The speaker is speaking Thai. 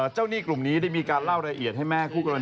จ้าวหนี้กลุ่มนี้มีการเล่าระเอียดให้แม่คู่กรณีฟัง